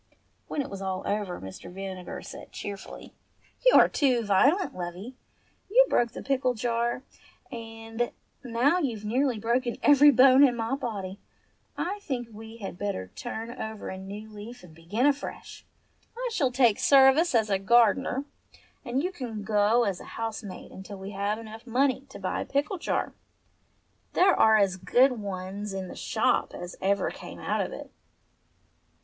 When it was all over Mr. Vinegar said cheerfully, "You are too violent, lovey. You broke the pickle jar, and now you've nearly broken every bone in my body. I think we had better turn over a new leaf and begin afresh. I shall take service as a gardener, and you can go as a housemaid until we have enough money to buy a new pickle jar. There are as good ones in the shop as ever came out of it."